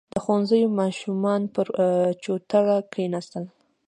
• د ښوونځي ماشومان پر چوتره کښېناستل.